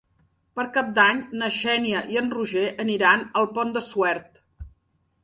Per Cap d'Any na Xènia i en Roger aniran al Pont de Suert.